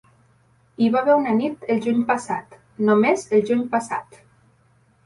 Hi va haver una nit el juny passat, només el juny passat!